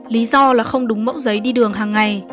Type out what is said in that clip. lý do là không đúng mẫu giấy đi đường hàng ngày